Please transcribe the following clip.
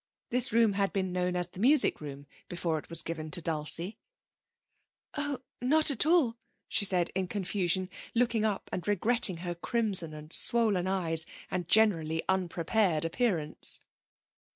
This room had been known as the music room before it was given to Dulcie. 'Oh, not at all,' she said in confusion, looking up and regretting her crimson and swollen eyes and generally unprepared appearance.